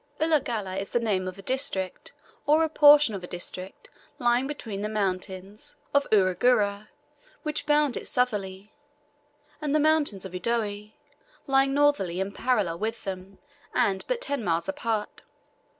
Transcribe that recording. Ulagalla is the name of a district, or a portion of a district, lying between the mountains of Uruguru, which bound it southerly, and the mountains of Udoe, lying northerly and parallel with them, and but ten miles apart.